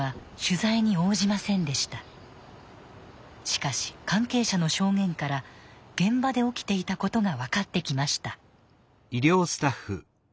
しかし関係者の証言から現場で起きていたことが分かってきました。